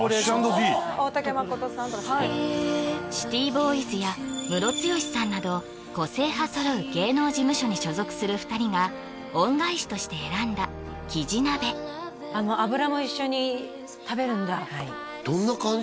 大竹まことさんとかシティボーイズやムロツヨシさんなど個性派揃う芸能事務所に所属する２人が恩返しとして選んだキジ鍋脂も一緒に食べるんだはいどんな感じ？